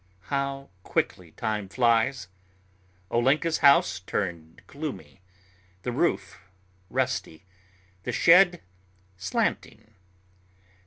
How quickly time flies! Olenka's house turned gloomy, the roof rusty, the shed slanting.